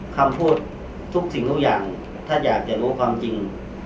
คำพูดทุกสิ่งทุกอย่างถ้าอยากจะรู้ความจริง